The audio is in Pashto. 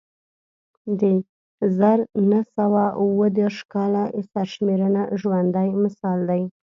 د زر نه سوه اووه دېرش کال سرشمېرنه ژوندی مثال دی